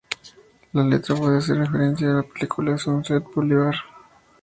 La letra puede hacer referencia a la película "Sunset Boulevard".